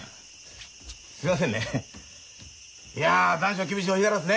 すいませんね。